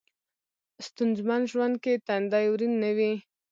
ستونځمن ژوند کې تندی ورین نه وي.